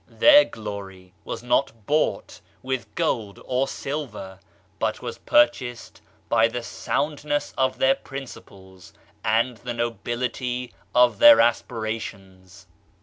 Their glory was not bought with gold or silver, but was purchased by the soundness of their principles and the nobility of their aspirations.